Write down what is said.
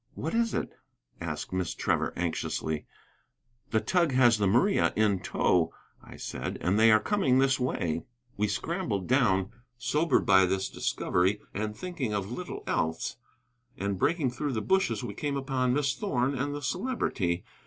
"What is it?" asked Miss Trevor, anxiously. "The tug has the Maria in tow," I said, "and they are coming this way." We scrambled down, sobered by this discovery and thinking of little else. And breaking through the bushes we came upon Miss Thorn and the Celebrity.